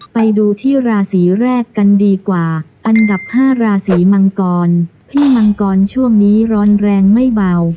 ไปดูที่ราศีแรกกันดีกว่าอันดับ๕ราศีมังกรพี่มังกรช่วงนี้ร้อนแรงไม่เบา